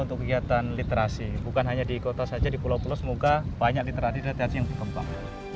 untuk kegiatan literasi bukan hanya di kota saja di pulau pulau semoga banyak literasi literasi yang berkembang